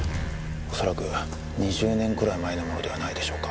恐らく２０年くらい前のものではないでしょうか？